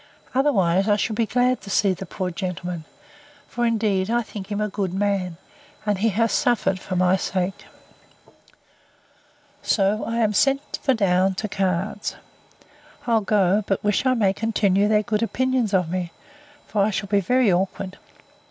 Otherwise I should be glad to see the poor gentleman; for, indeed, I think him a good man, and he has suffered for my sake. So, I am sent for down to cards. I'll go; but wish I may continue their good opinions of me: for I shall be very awkward.